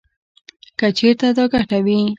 کـه چـېرتـه دا ګـټـه وې.